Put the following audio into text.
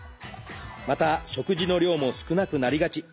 また食事の量も少なくなりがち。